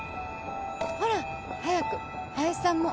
ほら早く林さんも。